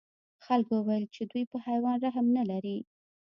خلکو وویل چې دوی په حیوان رحم نه لري.